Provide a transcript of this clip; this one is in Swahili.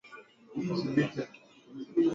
Boti na shughuli za elimu na tafiti kuhusu bahari